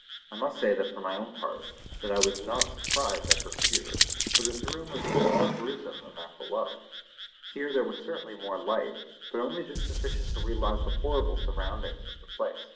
I must say for my own part that I was not surprised at her fear, for this room was even more gruesome than that below. Here there was certainly more light, but only just sufficient to realise the horrible surroundings of the place.